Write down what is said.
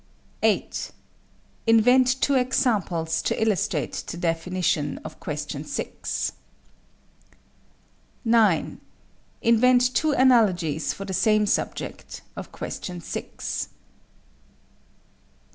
8. Invent two examples to illustrate the definition (question 6). 9. Invent two analogies for the same subject (question 6). 10.